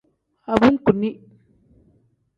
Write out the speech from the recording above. Abunkuni.